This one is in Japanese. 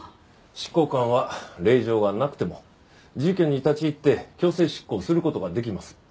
執行官は令状がなくても住居に立ち入って強制執行をする事ができます。